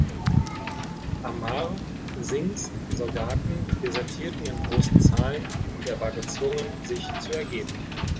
Amar Singhs Soldaten desertierten in großen Zahlen, und er war gezwungen, sich zu ergeben.